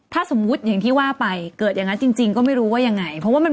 ถ้าสมมุติอย่างที่ว่าไปเกิดอย่างนั้นจริงก็ไม่รู้ว่ายังไง